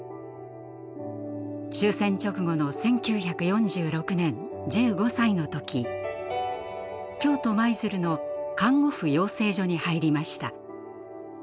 終戦直後の１９４６年１５歳の時京都・舞鶴の看護婦養成所に入りました。